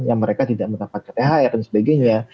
yang mereka tidak mendapatkan thr dan sebagainya